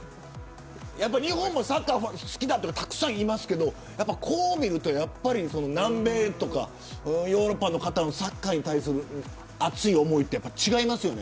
日本もサッカー好きな人たくさんいますけどこうやって見ると南米とかヨーロッパの方のサッカーに対する熱い思いって違いますよね。